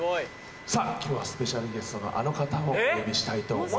さぁ今日はスペシャルゲストのあの方をお呼びしたいと思います。